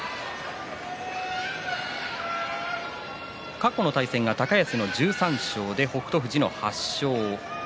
過去の対戦は高安の１３勝北勝富士の８勝。